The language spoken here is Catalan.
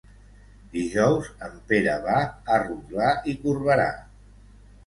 Dijous en Pere va a Rotglà i Corberà.